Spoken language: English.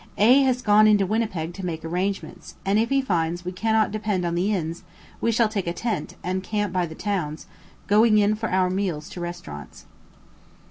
A has gone into Winnipeg to make arrangements; and if he finds we cannot depend on the inns, we shall take a tent, and camp by the towns, going in for our meals to restaurants.